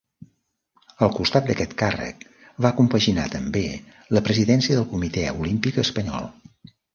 Al costat d'aquest càrrec va compaginar també la presidència del Comitè Olímpic Espanyol.